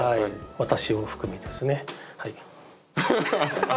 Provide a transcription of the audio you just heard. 私を含めですね。